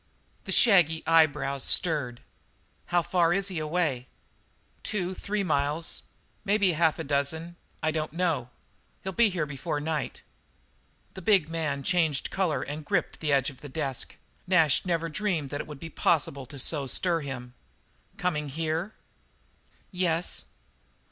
The shaggy eyebrows stirred. "How far is he away?" "Two or three miles maybe half a dozen I don't know. He'll be here before night." The big man changed colour and gripped the edge of the desk. Nash had never dreamed that it would be possible to so stir him. "Coming here?" "Yes."